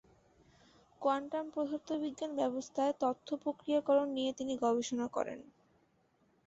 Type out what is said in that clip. কোয়ান্টাম-পদার্থবিজ্ঞান ব্যবস্থায় তথ্য প্রক্রিয়াকরণ নিয়ে তিনি গবেষণা করেন।